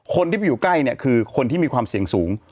คนที่ไปอยู่ใกล้เนี่ยคือคนที่มีความเสี่ยงสูง